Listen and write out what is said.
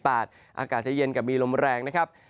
อากาศจะเย็นกับมีลมแรงนะครับ